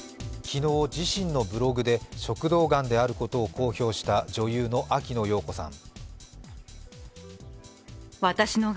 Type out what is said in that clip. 昨日、自身のブログで食道がんであることを公表した女優の秋野暢子さん。